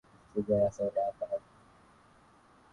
zililimwa huko Mawe ya maghofu ya miji ya kale bado yanaonyesha